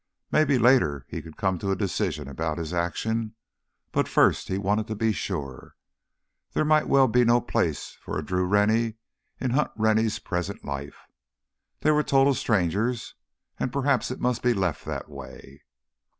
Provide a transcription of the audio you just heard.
Maybe later he could come to a decision about his action. But first he wanted to be sure. There might well be no place for a Drew Rennie in Hunt Rennie's present life. They were total strangers and perhaps it must be left that way.